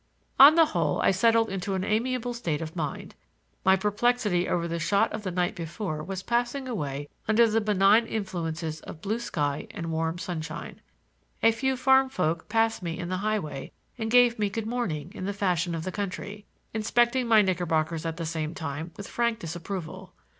On the whole, I settled into an amiable state of mind; my perplexity over the shot of the night before was passing away under the benign influences of blue sky and warm sunshine. A few farm folk passed me in the highway and gave me good morning in the fashion of the country, inspecting my knickerbockers at the same time with frank disapproval.